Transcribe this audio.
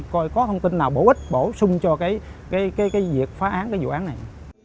coi có thông tin nào bổ ích bổ sung cho việc phá án vụ án này